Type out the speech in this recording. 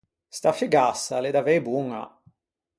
Sta fugassa a l’é davei boña.